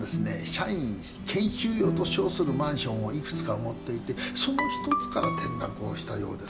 社員研修用と称するマンションをいくつか持っていてその一つから転落をしたようです。